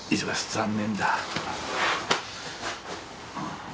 残念だ。